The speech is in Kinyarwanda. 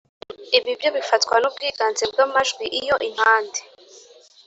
Ibi byo bifatwa n ubwiganze bw amajwi iyo impande